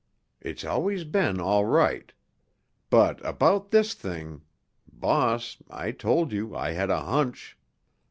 It's always been all right. But, about this thing—— Boss, I told you I had a hunch."